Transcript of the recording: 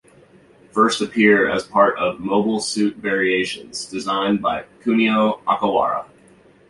First appear as part of Mobile Suit Variations, design by Kunio Okawara.